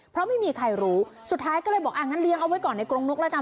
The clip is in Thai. เพราะไม่มีใครรู้สุดท้ายก็เลยบอกอ่างั้นเลี้ยงเอาไว้ก่อนในกรงนกแล้วกัน